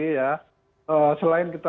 ya selain kita